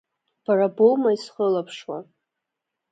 Бара боума исхылаԥшуа?